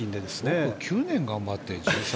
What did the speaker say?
僕なんて９年頑張って１３